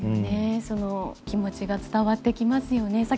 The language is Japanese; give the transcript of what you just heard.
その気持ちが伝わってきますよね。